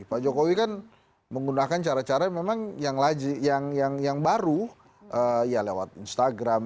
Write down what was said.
pak jokowi kan menggunakan cara cara memang yang baru ya lewat instagram